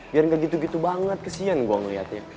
biar nggak gitu gitu banget kesian gue ngeliatnya